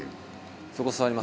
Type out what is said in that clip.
そこ座ります？